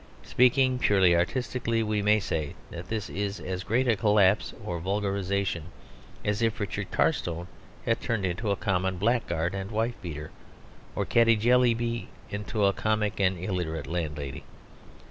Speaking purely artistically, we may say that this is as great a collapse or vulgarisation as if Richard Carstone had turned into a common blackguard and wife beater, or Caddy Jellyby into a comic and illiterate landlady.